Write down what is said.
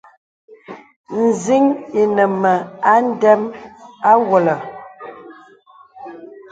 Nzìn̄ inə mə a ndəm àwɔlə.